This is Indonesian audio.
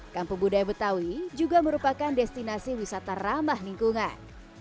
kampung budaya betawi juga merupakan destinasi wisata ramah lingkungan